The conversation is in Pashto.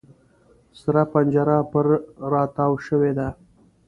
سره پنجره پر را تاو شوې ده.